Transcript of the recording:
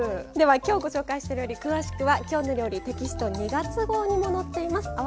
では今日ご紹介した料理詳しくは「きょうの料理」テキスト２月号にも載っています。